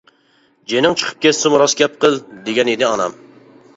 «جېنىڭ چىقىپ كەتسىمۇ راست گەپ قىل! » دېگەن ئىدى، ئانام.